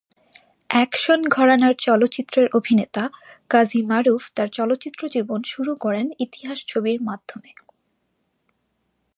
Action ঘরানার চলচ্চিত্রের অভিনেতা কাজী মারুফ তার চলচ্চিত্র জীবন শুরু করেন ইতিহাস ছবির মাধ্যমে।